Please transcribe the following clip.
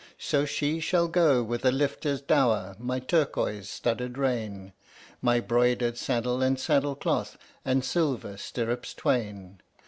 "So she shall go with a lifter's dower, my turquoise studded rein, My broidered saddle and saddle cloth, and silver stirrups twain."